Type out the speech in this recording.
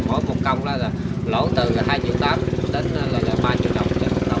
mỗi một công đó là lỗi từ hai triệu đám đến ba triệu đồng